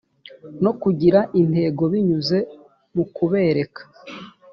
no kugira intego binyuze mu kubereka